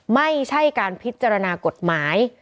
ไม่ใช่การพิจารณากฎหมาย